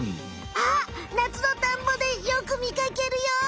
あっなつのたんぼでよくみかけるよ！